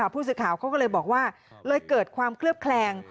ผู้สื่อข่าวเขาก็เลยบอกว่าเลยเกิดความเคลือบแคลง